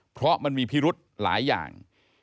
เพราะมันมีพิรุธหลายอย่าง